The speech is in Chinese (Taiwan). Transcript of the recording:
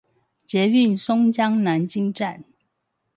捷運松江南京站